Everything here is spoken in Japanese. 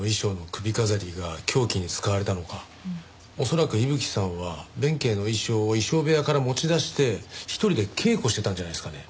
恐らく伊吹さんは弁慶の衣装を衣装部屋から持ち出して一人で稽古してたんじゃないですかね。